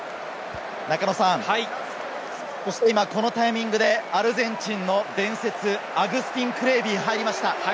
このタイミングでアルゼンチンの伝説、アグスティン・クレービーが入りました。